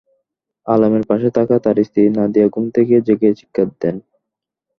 আলমের পাশে থাকা তাঁর স্ত্রী নাদিয়া ঘুম থেকে জেগে চিৎকার দেন।